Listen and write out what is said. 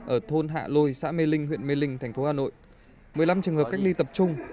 ở thôn hạ lôi xã mê linh huyện mê linh thành phố hà nội một mươi năm trường hợp cách ly tập trung